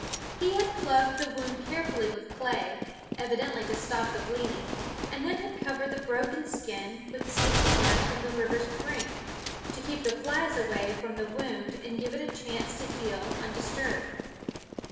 He had plugged the wound carefully with clay, evidently to stop the bleeding, and then had covered the broken skin with sticky mud from the river's brink, to keep the flies away from the wound and give it a chance to heal undisturbed.